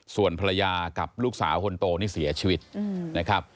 ส่วนภรรยากับลูกสาวคนโตนี่เสียชีวิตนะครับ